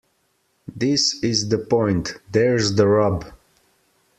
This is the point. There's the rub.